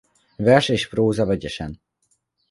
Vers és próza vegyesen.